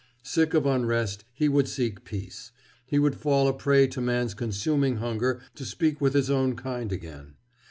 Sick of unrest, he would seek peace. He would fall a prey to man's consuming hunger to speak with his own kind again.